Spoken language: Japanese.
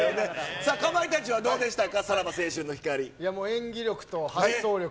さあ、かまいたちはどうでしたか？